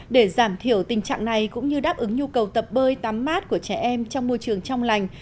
để giảm thiểu tình trạng này cũng như đáp ứng nhu cầu tập bơi tắm mát của trẻ em trong môi trường trong lành